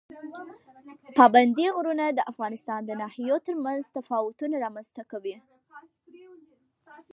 پابندی غرونه د افغانستان د ناحیو ترمنځ تفاوتونه رامنځ ته کوي.